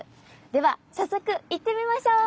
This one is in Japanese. では早速行ってみましょう！